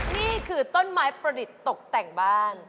นี่คือต้นไม้ประดิษฐ์ตกแต่งบ้าน